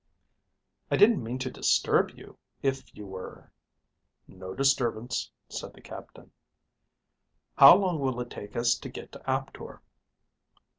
"I didn't mean to disturb you if you were ..." "No disturbance," said the captain. "How long will it take us to get to Aptor?"